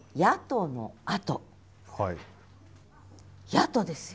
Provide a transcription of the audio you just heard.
「野兎」ですよ。